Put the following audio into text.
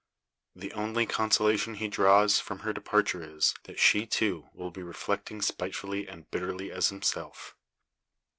The only consolation he draws from her departure is, that she, too, will be reflecting spitefully and bitterly as himself.